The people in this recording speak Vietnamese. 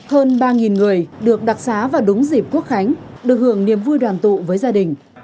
hơn ba người được đặc xá vào đúng dịp quốc khánh được hưởng niềm vui đoàn tụ với gia đình